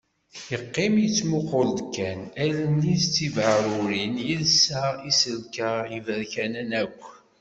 Yeqqim yettmuqul-d kan. Allen-is d tibaɛrurin, yelsa iselsa iberkanen akk.